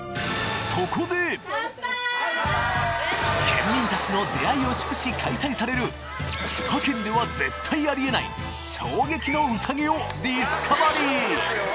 県民たちの出会いを祝し、開催される他県では絶対ありえない衝撃の宴をディスカバリー。